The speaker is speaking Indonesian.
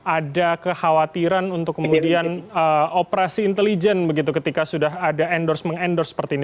ada kekhawatiran untuk kemudian operasi intelijen begitu ketika sudah ada endorse mengendorse seperti ini